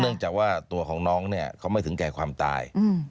จากว่าตัวของน้องเนี่ยเขาไม่ถึงแก่ความตาย